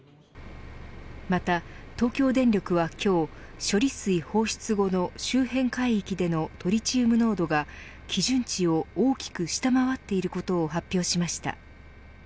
また、東京電力は今日処理水放出後の周辺海域でのトリチウム濃度が基準値を大きく下回っていることを発表しました。